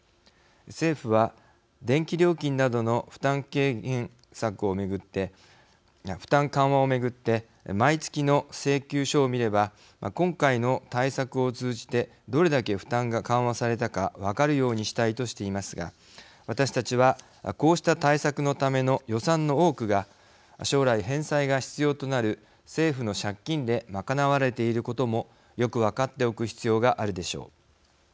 政府は電気料金などの負担軽減策を巡って負担緩和を巡って毎月の請求書を見れば今回の対策を通じてどれだけ負担が緩和されたか分かるようにしたいとしていますが私たちは、こうした対策のための予算の多くが将来、返済が必要となる政府の借金でまかなわれていることもよく分かっておく必要があるでしょう。